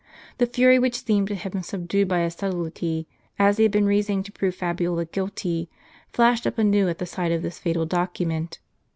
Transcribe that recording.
The fury, which seemed to have been subdued by his subtlety, as he had been reasoning to prove Fabiola guilty, flashed up anew at the sight of this fatal docu ment.